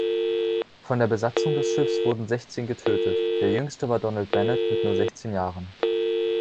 Von der Besatzung des Schiffs wurden sechzehn getötet, der Jüngste war Donald Bennett mit nur sechzehn Jahren.